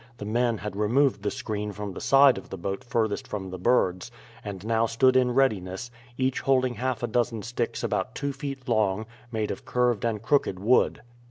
The men had removed the screen from the side of the boat furthest from the birds, and now stood in readiness, each holding half a dozen sticks about two feet long, made of curved and crooked wood.